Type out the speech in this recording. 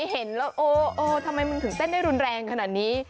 เห็นแล้วโอ้ทำไมมึงถึงเต้นได้รุนแรงขนาดนี้